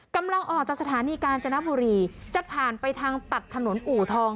กำลังออกจากสถานีกาญจนบุรีจะผ่านไปทางตัดถนนอู่ทอง